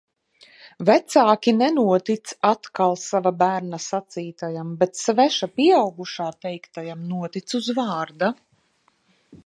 Vecāki nenotic atkal sava bērna sacītajam, bet sveša pieaugušā teiktajam notic uz vārda.